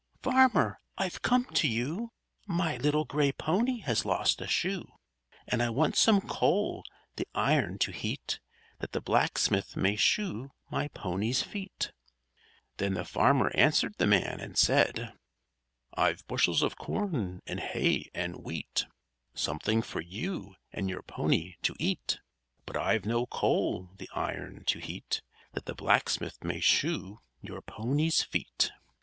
Farmer! I've come to you; My little gray pony has lost a shoe! And I want some coal the iron to heat, That the blacksmith may shoe my pony's feet_." Then the farmer answered the man and said: "_I've bushels of corn and hay and wheat Something for you and your pony to eat; But I've no coal the iron to heat, That the blacksmith may shoe your pony's feet_."